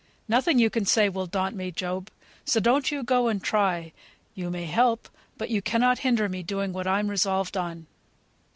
Nothing you can say will daunt me, Job, so don't you go and try. You may help, but you cannot hinder me doing what I'm resolved on."